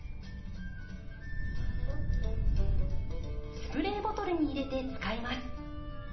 スプレーボトルに入れて使います。